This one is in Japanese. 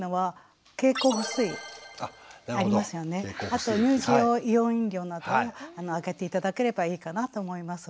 あと乳児用イオン飲料などをあげて頂ければいいかなと思います。